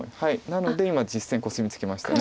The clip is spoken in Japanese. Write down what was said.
なので実戦コスミツケました。